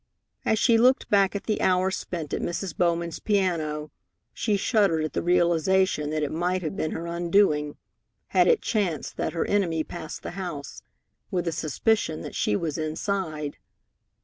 As she looked back at the hour spent at Mrs. Bowman's piano, she shuddered at the realization that it might have been her undoing, had it chanced that her enemy passed the house, with a suspicion that she was inside.